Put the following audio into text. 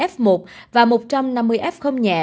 hai mươi một f một và một trăm năm mươi f nhẹ